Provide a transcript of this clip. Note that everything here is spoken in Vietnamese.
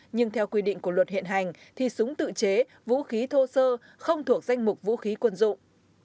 nhưng theo quy định của luật hiện hành thì súng tự chế vũ khí thô sơ không thuộc danh mục vũ khí quân dụng